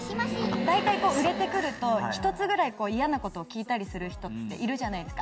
大体売れて来ると一つぐらい嫌なことを聞いたりする人っているじゃないですか？